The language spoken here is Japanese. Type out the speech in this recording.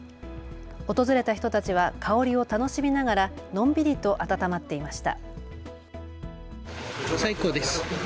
訪れた人たちは香りを楽しみながらのんびりと温まっていました。